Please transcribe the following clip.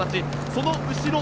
その後ろ